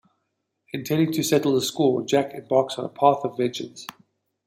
Intending to settle the score, Jack embarks on a path of vengeance.